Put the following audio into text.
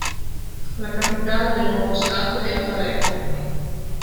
La capitale del nuovo stato era Palermo.